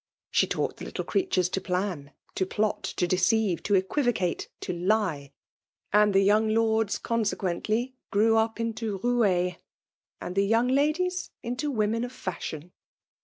She taught the little creatures to plan, to plot, to deceive, to equivocate, to lie ; and the young lords consequently grew up into roues, and the young ladies into women of fashion.